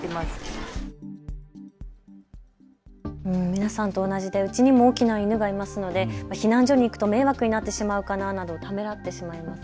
皆さんと同じでうちにも大きな犬がいますので避難所に行くと迷惑になってしまうかなと考えています。